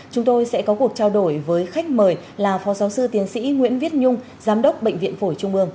chúng tôi sẽ có cuộc trao đổi với khách mời là phó giáo sư tiến sĩ nguyễn viết nhung giám đốc bệnh viện phổi trung ương